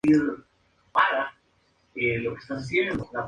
Es el segundo sencillo del álbum Residente.